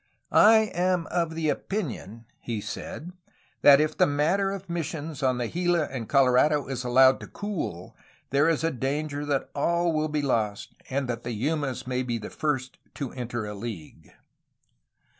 *'I am of the opinion,^' he said, ''that if the matter of missions on the Gila and Colorado is allowed to cool ... there is danger that all will be lost and that the Yumas may be the first to enter a league."